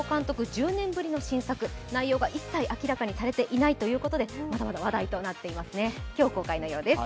１０年ぶりの新作、内容が一切明らかにされていないということでまだまだ話題となっているようです。